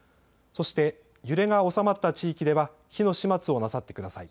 そして揺れが収まった地域では火の始末をなさってください。